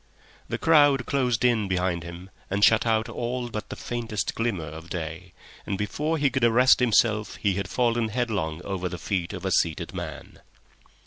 The crowd closed in behind him and shut out all but the faintest glimmer of day, and before he could arrest himself he had fallen headlong over the feet of a seated man.